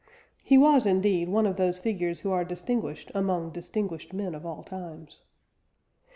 He was indeed one of those figures who are distinguished among distinguished men of all times.